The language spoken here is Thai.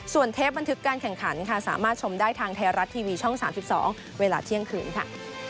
ส่วนเทปบันทึกการแข่งขันค่ะสามารถชมได้ทางไทยรัฐทีวีช่อง๓๒เวลาเที่ยงคืนค่ะ